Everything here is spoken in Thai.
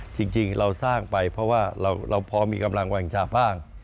จริงเราสร้างไปเพราะว่าเราพอมีกำลังวางชาบ้าง